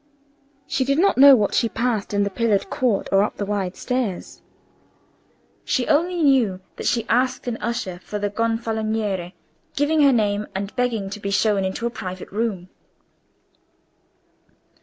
She did not know what she passed in the pillared court or up the wide stairs; she only knew that she asked an usher for the Gonfaloniere, giving her name, and begging to be shown into a private room.